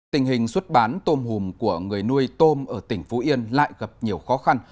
tình hình xuất bán tôm hùm của người nuôi tôm ở tỉnh phú yên lại gặp nhiều khó khăn